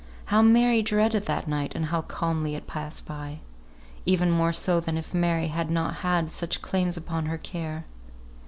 How Mary dreaded that night, and how calmly it passed by! Even more so than if Mary had not had such claims upon her care!